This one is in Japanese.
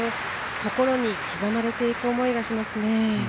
心に刻まれていく思いがしますね。